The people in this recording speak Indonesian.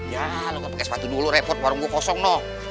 ya lo gak pakai sepatu dulu repot warung gue kosong no